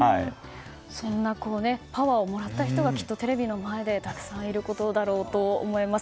そんなパワーをもらった人がきっとテレビの前でたくさんいることだろうと思います。